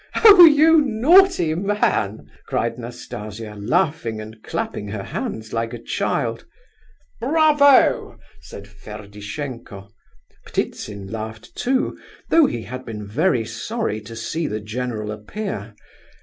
"Oh, you naughty man!" cried Nastasia, laughing and clapping her hands like a child. "Bravo!" said Ferdishenko. Ptitsin laughed too, though he had been very sorry to see the general appear.